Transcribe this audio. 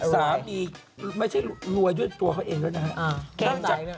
สามีไม่ใช่รวยด้วยตัวเขาเองด้วยนะฮะ